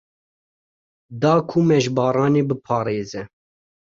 Da ku me ji baranê biparêze.